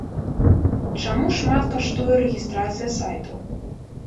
Чаму шмат каштуе рэгістрацыя сайтаў.